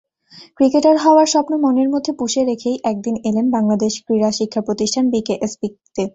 Cricketer হওয়ার স্বপ্ন মনের মধ্যে পুষে রেখেই একদিন এলেন বাংলাদেশ ক্রীড়া শিক্ষা প্রতিষ্ঠান—বিকেএসপিতে।